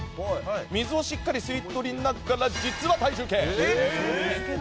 水をしっかり吸い取りながら実は体重計。